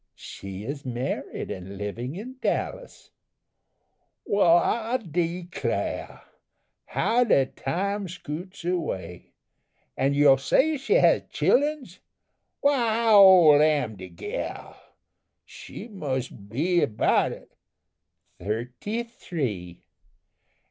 "She is married and living in Dallas." "Wal, I declar. How de time scoots away! An' yo' say she has childruns? Why, how ole am de gal? She mus' be about " "Thirty three."